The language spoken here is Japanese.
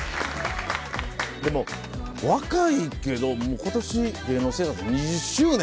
でも若いけど今年芸能生活２０周年？